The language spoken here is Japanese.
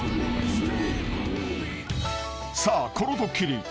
［さあこのドッキリ。